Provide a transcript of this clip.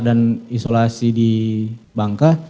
dan isolasi di bangka